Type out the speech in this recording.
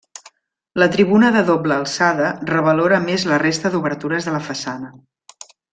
La tribuna de doble alçada revalora més la resta d'obertures de la façana.